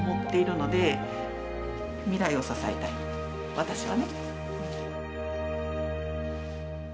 私はね。